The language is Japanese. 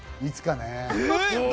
いつかね。